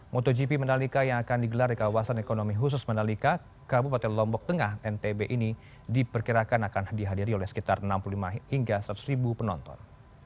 motogp mandalika yang akan digelar di kawasan ekonomi khusus mandalika kabupaten lombok tengah ntb ini diperkirakan akan dihadiri oleh sekitar enam puluh lima hingga seratus ribu penonton